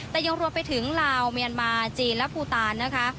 แต่ยังรวมไปถึงลาวเมียนมาจีนและภูตานนะคะ